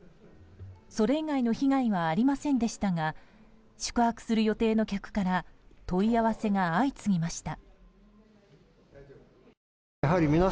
それ以外の被害はありませんでしたが宿泊する予定の客から問い合わせが相次ぎました。